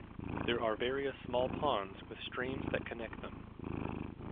There are various small ponds with streams that connect them.